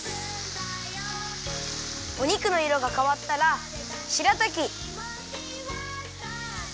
お肉のいろがかわったらしらたき